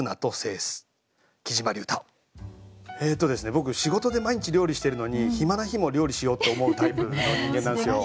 僕仕事で毎日料理してるのに暇な日も料理しようって思うタイプの人間なんですよ。